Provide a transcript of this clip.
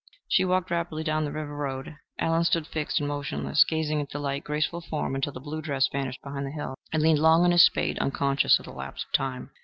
She walked rapidly down to the river road. Allen stood fixed and motionless, gazing at the light, graceful form until the blue dress vanished behind the hill, and leaned long on his spade, unconscious of the lapse of time.